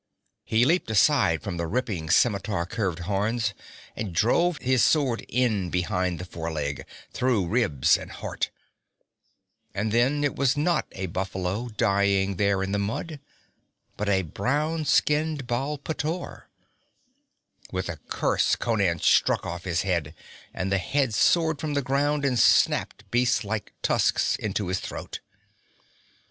He leaped aside from the ripping scimitar curved horns, and drove his sword in behind the foreleg, through ribs and heart. And then it was not a buffalo dying there in the mud, but the brown skinned Baal pteor. With a curse Conan struck off his head; and the head soared from the ground and snapped beast like tusks into his throat.